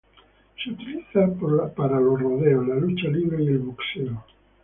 Se utiliza para los rodeos, la lucha libre y el boxeo.